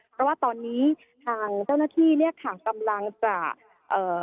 เพราะว่าตอนนี้ทางเจ้าหน้าที่เนี้ยค่ะกำลังจะเอ่อ